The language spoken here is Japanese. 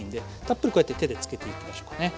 たっぷりこうやって手でつけていきましょうかね。